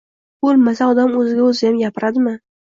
Bo‘lmasa, odam o‘ziga-o‘ziyam... gapiradimi?